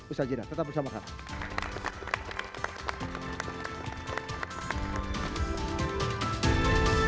ustaz jidat tetap bersama kami